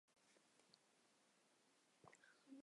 而两款卡不能同时放入卡组。